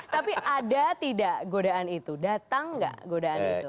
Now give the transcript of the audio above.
tapi ada tidak godaan itu datang nggak godaan itu